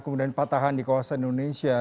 kemudian patahan di kawasan indonesia